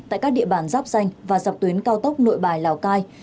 tại các địa bàn giáp danh và dọc tuyến cao tốc nội bài lào cai